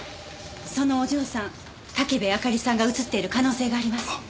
そのお嬢さん武部あかりさんが映っている可能性があります。